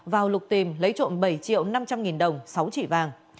vào lục tìm lấy trộm bảy triệu năm trăm linh nghìn đồng sáu chỉ vàng